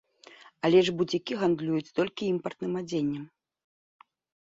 Але ж буцікі гандлююць толькі імпартным адзеннем.